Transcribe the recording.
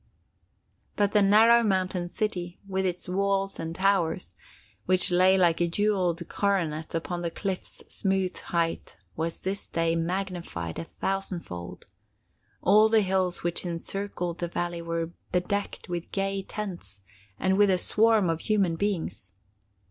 But the narrow mountain city, with its walls and towers, which lay like a jeweled coronet upon the cliff's smooth height, was this day magnified a thousand fold. All the hills which encircled the valley were bedecked with gay tents, and with a swarm of human beings.